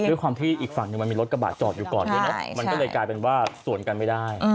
ด้วยความที่อีกฝั่งหนึ่งมันมีรถกระบะจอดอยู่ก่อนด้วยเนอะมันก็เลยกลายเป็นว่าสวนกันไม่ได้